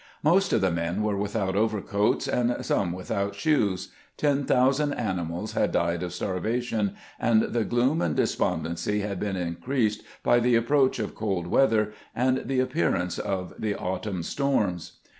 Most of the men were without _ over coats, and some without shoes; ten thousand animals had died of starvation, and the gloom and despondency had been increased by the approach of cold weather and the appearance of the autumn storms.